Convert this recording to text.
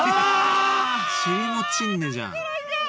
「尻もちんね」じゃん。